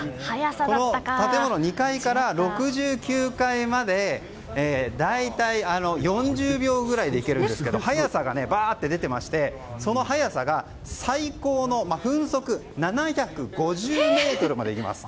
この建物、２階から６９階まで大体４０秒ぐらいで行けるんですが速さが出ていまして、その速さが最高の分速７５０メートルまでいきます。